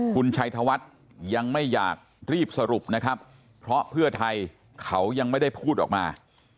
คุณชัยธวัฒน์ยังไม่อยากรีบสรุปนะครับเพราะเพื่อไทยเขายังไม่ได้พูดออกมา